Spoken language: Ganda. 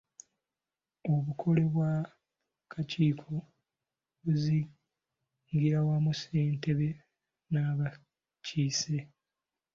Obukole bw'akakiiko buzingiramu ssentebe n'abakiise.